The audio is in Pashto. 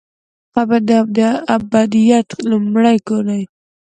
قبر د ابدیت لومړی کور دی